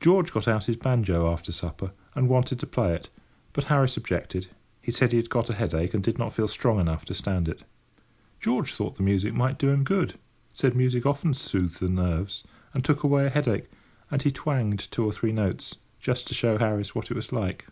George got out his banjo after supper, and wanted to play it, but Harris objected: he said he had got a headache, and did not feel strong enough to stand it. George thought the music might do him good—said music often soothed the nerves and took away a headache; and he twanged two or three notes, just to show Harris what it was like.